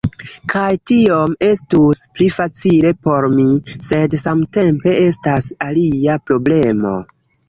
Kaj tiom estus pli facile por mi, sed samtempe estas alia problemo